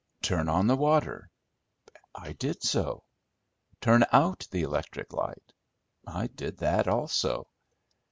"Turn on the water." I did so. "Turn out the electric light." I did that also.